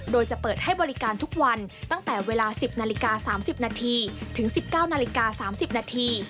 โดยจะเปิดให้บริการทุกวันตั้งแต่เวลา๑๐นาฬิกา๓๐นาทีถึง๑๙นาฬิกา๓๐นาที